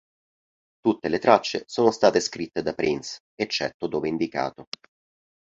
Tutte le tracce sono state scritte da Prince, eccetto dove indicato.